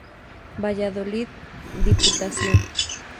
Valladolid: Diputación.